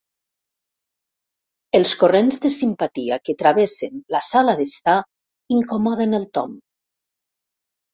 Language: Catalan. Els corrents de simpatia que travessen la sala d'estar incomoden el Tom.